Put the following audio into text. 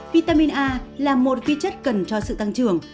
vitamin a là một vi chất cần cho sự tăng trưởng